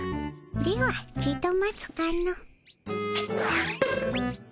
ではちと待つかの。